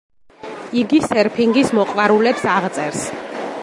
იგი სერფინგის მოყვარულებს აღწერს.